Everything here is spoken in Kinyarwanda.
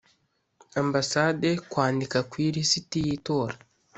ambasade kwandika ku ilisiti y itora